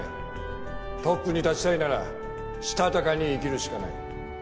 トップに立ちたいならしたたかに生きるしかない。